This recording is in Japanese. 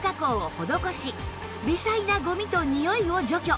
微細なゴミとニオイを除去